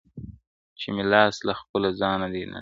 چي مي لاستی له خپل ځانه دی نړېږم؛